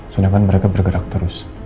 soalnya kan mereka bergerak terus